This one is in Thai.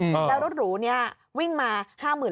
แล้วรถหรูนี่วิ่งมา๕๐๐๐๐โลกรัม